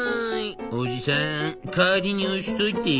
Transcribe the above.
「おじさん代わりに押しといて」。